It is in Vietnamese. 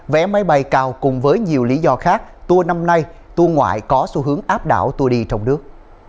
vé máy bay cao cùng với nhiều lý do khác tour năm nay tour ngoại có xu hướng áp đảo tour đi trong nước